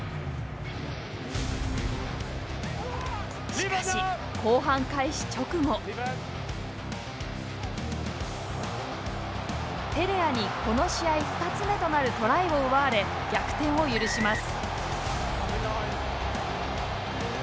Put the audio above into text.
しかし後半開始直後テレアにこの試合２つ目となるトライを奪われ逆転を許します